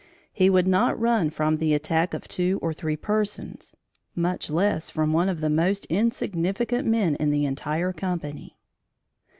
He would not run from the attack of two or three persons: much less from one of the most insignificant men in the entire company.